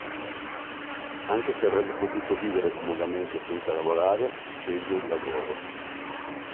Anche se avrebbe potuto vivere comodamente senza lavorare sceglie il lavoro.